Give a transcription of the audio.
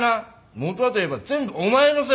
本はといえば全部お前のせいで。